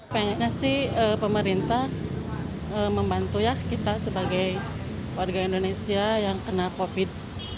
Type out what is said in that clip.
pengennya sih pemerintah membantu ya kita sebagai warga indonesia yang kena covid